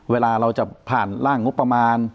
เวลาเราจะผ่านร่างงบประมาณ